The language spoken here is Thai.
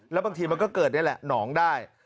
แล้วบางทีมันก็เกิดนี่แหละหนองได้